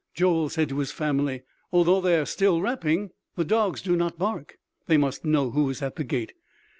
Joel said to his family: "Although they are still rapping, the dogs do not bark. They must know who is at the gate."